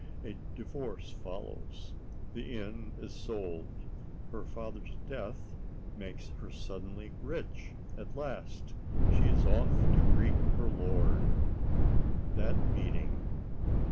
A divorce follows; the inn is sold; her father's death makes her suddenly rich—at last she is off to greet her lord! That meeting!...